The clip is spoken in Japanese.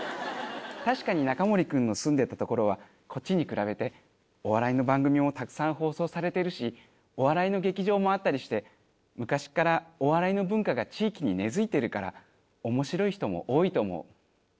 確かにナカモリ君の住んでた所はこっちに比べてお笑いの番組もたくさん放送されてるしお笑いの劇場もあったりして昔からお笑いの文化が地域に根づいてるから面白い人も多いと思う。